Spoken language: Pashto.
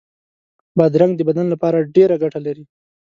بادرنګ د بدن لپاره ډېره ګټه لري.